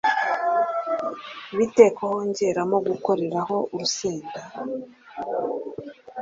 Bite ho kongeramo gukoraho urusenda?